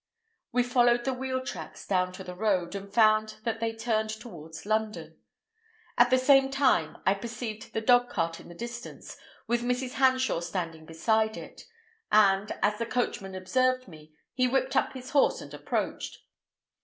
We followed the wheel tracks down to the road, and found that they turned towards London. At the same time I perceived the dogcart in the distance, with Mrs. Hanshaw standing beside it; and, as the coachman observed me, he whipped up his horse and approached.